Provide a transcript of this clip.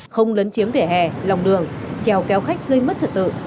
không lấn chiếm vỉa hè lòng đường treo kéo khách gây mất trật tự